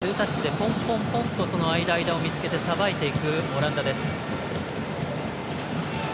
ワンタッチ、ツータッチでポンポンポンとその間、間を見つけてさばいていくオランダです。